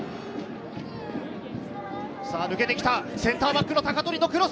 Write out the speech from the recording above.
抜けてきたセンターバックの鷹取のクロス。